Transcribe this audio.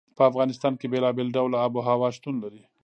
په افغانستان کې بېلابېل ډوله آب وهوا شتون لري.